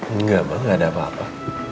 enggak pak nggak ada apa apa